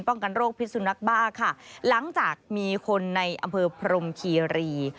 กันโรคพิษสุนักบ้าค่ะหลังจากมีคนในอำเภอพรมคีรี